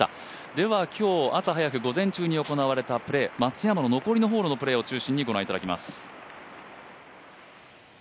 では今日朝早く、午前中に行われたプレー、松山の残りのホールのプレーを中心にご覧いただきます。